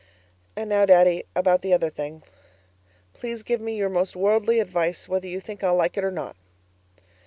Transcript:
And now, Daddy, about the other thing; please give me your most worldly advice, whether you think I'll like it or not.